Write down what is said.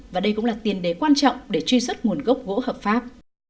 và đây cũng là tiền đề quan trọng để truy xuất nguồn gốc gỗ hợp pháp